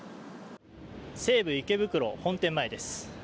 西武池袋本店前です。